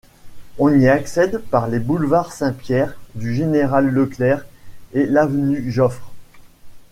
On y accède par les boulevards Saint-Pierre, du Général-Leclerc et l'avenue Joffre.